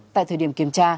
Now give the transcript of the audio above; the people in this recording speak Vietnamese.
tại thời điểm kiểm tra